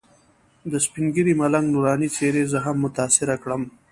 د سپین ږیري ملنګ نوراني څېرې زه هم متاثره کړم.